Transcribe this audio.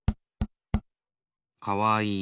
かわいい。